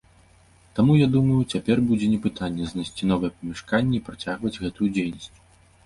Таму, я думаю, цяпер будзе не пытанне, знайсці новае памяшканне і працягваць гэтую дзейнасць.